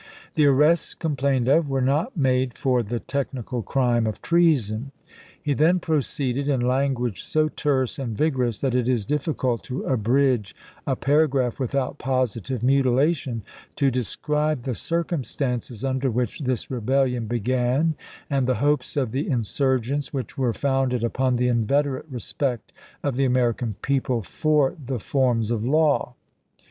The ar rests complained of were not made for the technical crime of treason. He then proceeded, in language so terse and vigorous that it is difficult to abridge a paragraph without positive mutilation, to de scribe the circumstances under which this rebellion began, and the hopes of the insurgents, which were founded upon the inveterate respect of the Ameri can people for the forms of law.